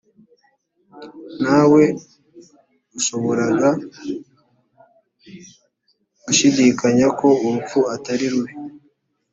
ntawe ushoboraga gushidikanya ko urupfu atari rubi